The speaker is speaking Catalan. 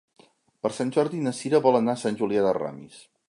Per Sant Jordi na Cira vol anar a Sant Julià de Ramis.